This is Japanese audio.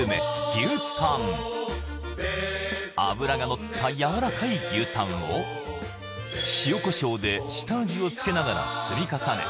牛タン脂がのったやわらかい牛タンを塩コショウで下味をつけながら積み重ね